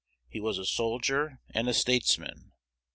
He was a soldier and a statesman.